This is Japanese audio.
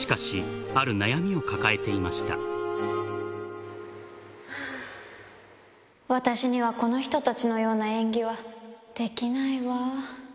しかし、私にはこの人たちのような演技はできないわ。